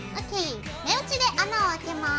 目打ちで穴を開けます。